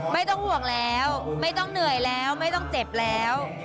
ไม่ต้องห่วงแล้วไม่ต้องเหนื่อยแล้วไม่ต้องเจ็บแล้ว